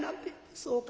そうか。